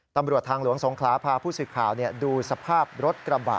ตำรวจทางหลวงสงขลาพาผู้สื่อข่าวดูสภาพรถกระบะ